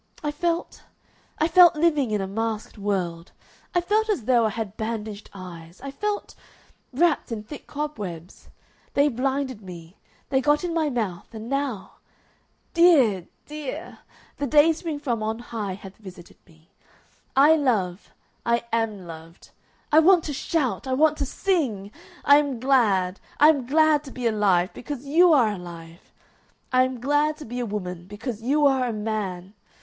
I felt I felt living in a masked world. I felt as though I had bandaged eyes. I felt wrapped in thick cobwebs. They blinded me. They got in my mouth. And now Dear! Dear! The dayspring from on high hath visited me. I love. I am loved. I want to shout! I want to sing! I am glad! I am glad to be alive because you are alive! I am glad to be a woman because you are a man!